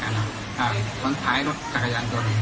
ตามเวลาไปโรงเรียน